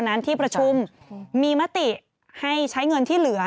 นั้นที่ประชุมมีมติให้ใช้เงินที่เหลือ